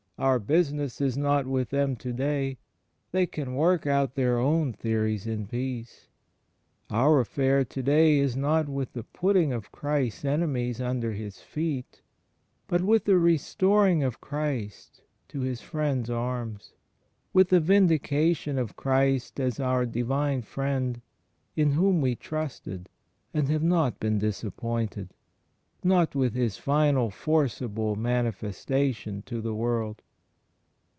Our business is not with them to day. They can work out their own theories in peace. Our affair to day is not with the putting of Christ's enemies under His feet, but with the restoring of Christ to His friends' arms; with the vindication of Christ as our Divine Friend in whom we trusted and have not been disappointed; not with His final forcible mani festation to the world.